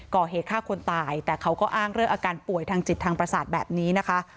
ก่อเหตุฆ่าคนตายแต่เขาก็อ้างเลิกอาการป่วยทางจิตทางปราศาสตร์แบบนี้